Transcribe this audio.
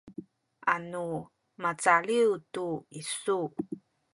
anu macaliw tu isu